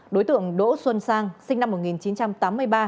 đối tượng đỗ xuân sang sinh năm một nghìn chín trăm tám mươi ba